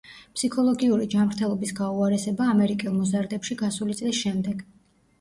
ფსიქოლოგიური ჯანმრთელობის გაუარესება ამერიკელ მოზარდებში გასული წლის შემდეგ.